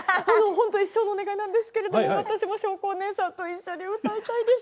本当一生のお願いなんですけれども私もしょうこお姉さんと一緒に歌いたいです。